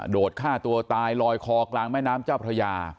ฆ่าตัวตายลอยคอกลางแม่น้ำเจ้าพระยา